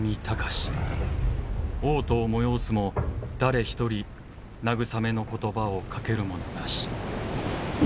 嘔吐を催すも誰一人慰めの言葉をかける者なし」。